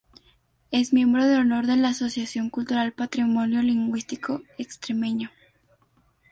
Es miembro de honor de la Asociación Cultural "Patrimonio Lingüístico Extremeño